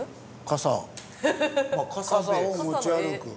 傘を持ち歩く。